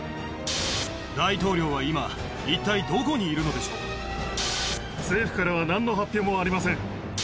大統領は今、一体どこにいる政府からはなんの発表もありません。